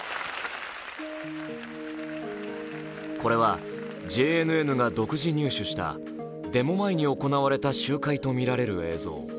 これはＪＮＮが独自入手したデモ前に行われた集会とみられる映像。